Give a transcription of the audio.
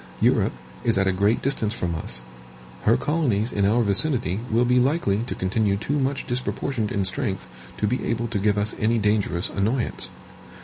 Europe is at a great distance from us. Her colonies in our vicinity will be likely to continue too much disproportioned in strength to be able to give us any dangerous annoyance.